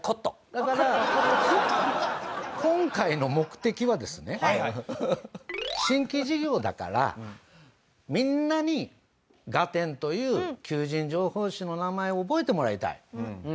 だから今回の目的はですね新規事業だからみんなに『ガテン』という求人情報誌の名前を覚えてもらいたい。